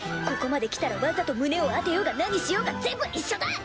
ここまできたらわざと胸を当てようが何しようが全部一緒だ！